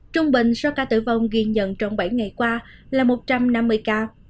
trung bình số ca tử vong ghi nhận trong bảy ngày qua là một trăm năm mươi ca